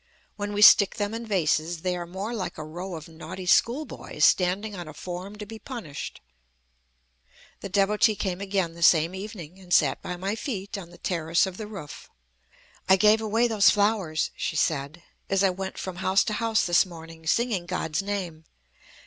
When we stick them in vases, they are more like a row of naughty schoolboys standing on a form to be punished. The Devotee came again the same evening, and sat by my feet on the terrace of the roof. "I gave away those flowers," she said, "as I went from house to house this morning, singing God's name.